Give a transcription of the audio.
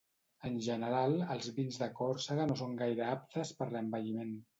En general, els vins de Còrsega no són gaire aptes per l'envelliment.